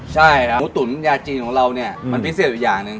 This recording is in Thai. ใช่ครับหมูตุ๋นยาจีนของเราเนี่ยมันพิเศษอยู่อย่างหนึ่ง